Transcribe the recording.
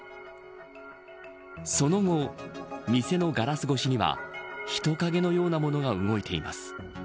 その後、店のガラス越しには人影のようなものが動いています。